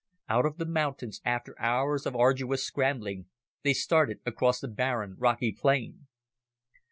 Out of the mountains, after hours of arduous scrambling, they started across the barren rocky plain.